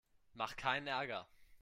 Mach keinen Ärger!